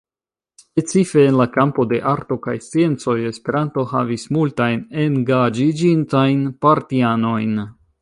Specife en la kampo de arto kaj sciencoj Esperanto havis multajn engaĝiĝintajn partianojn.